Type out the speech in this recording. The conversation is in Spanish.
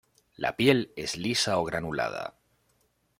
La piel es lisa o granulada.